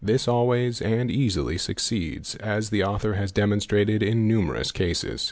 This always and easily succeeds as the author has demonstrated in numerous cases.